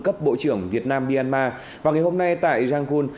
cấp bộ trưởng việt nam myanmar và ngày hôm nay tại rang khun